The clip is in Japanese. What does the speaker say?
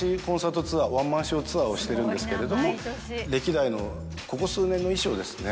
ワンマンショーツアーをしてるんですけれども歴代のここ数年の衣装ですね。